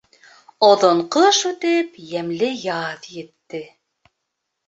Оҙон ҡыш үтеп, йәмле яҙ етте.